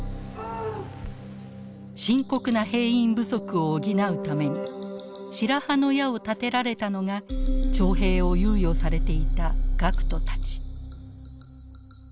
深刻な兵員不足を補うために白羽の矢を立てられたのが徴兵を猶予されていた学徒たち。